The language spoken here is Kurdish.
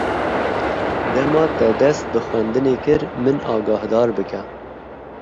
Dema te dest bi xwendinê kir, min agahdar bike.